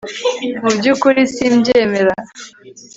mu byukuri simbyemera